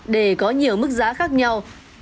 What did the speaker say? để có nhiều mức giá khác nhau